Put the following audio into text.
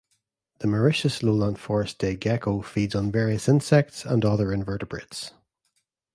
The Mauritius lowland forest day gecko feeds on various insects and other invertebrates.